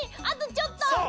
あとちょっと！